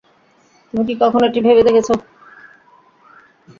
তুমি কি কখনও এটি ভেবে দেখেছো?